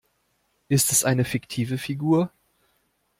Ist es eine fiktive Figur?